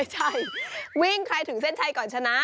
ใช่วิ่งใครถึงเส้นชัยก่อนชนะ